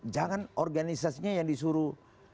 jangan organisasinya yang disuruh